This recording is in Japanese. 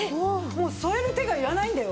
もう添える手がいらないんだよ。